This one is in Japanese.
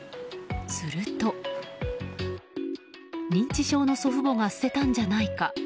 すると、認知症の祖父母が捨てたんじゃないか？